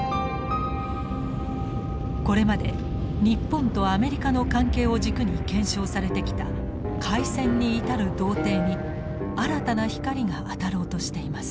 これまで日本とアメリカの関係を軸に検証されてきた開戦に至る道程に新たな光が当たろうとしています。